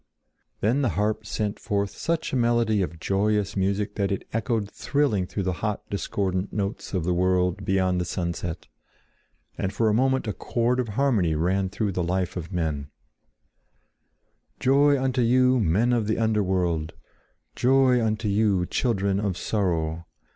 Then the harp sent forth such a melody of joyous music that it echoed thrilling through the hot discordant notes of the world beyond the sunset; and for a moment a chord of harmony ran through the life of men: "Joy unto you, men of the underworld! Joy unto you, children of sorrow!